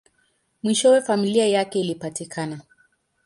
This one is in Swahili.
Mwishowe, familia yake ilipatikana.